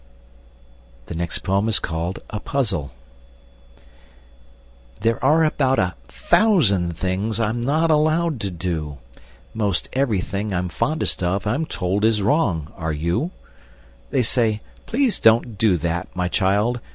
[Illustration: A Puzzle] A PUZZLE There are about a thousand things I'm not allowed to do; Most everything I'm fondest of I'm told is wrong are you? They say, "_Please don't do that, my child!